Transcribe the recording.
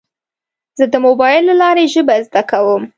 زه د موبایل له لارې ژبه زده کوم.